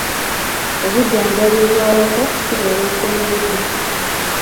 Obujjanjabi obw'ewaka si bwe bwenkomeredde.